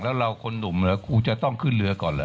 แล้วเราคนหนุ่มเหรอครูจะต้องขึ้นเรือก่อนเหรอ